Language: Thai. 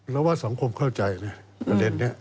เราว่าสมครบเข้าใจเนี่ยประเด็นนี้